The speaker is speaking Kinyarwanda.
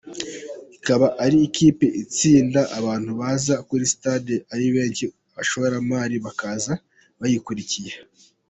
Ikaba ari ikipi itsinda, abantu baza kuri stade ari benshi abashoramari bakaza bayikurikiye.